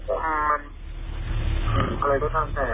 มันอะไรก็ต่างแต่